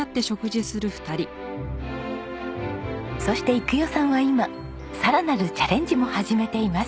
そして育代さんは今さらなるチャレンジも始めています。